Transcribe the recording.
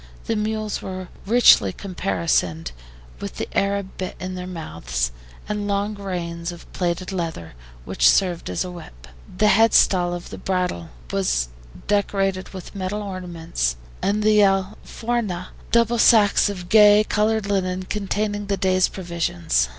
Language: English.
The mules were richly caparisoned, with the Arab bit in their mouths, and long reins of plaited leather, which served as a whip; the headstall of the bridle was decorated with metal ornaments, and the ALFORJAS, double sacks of gay colored linen, containing the day's provisions.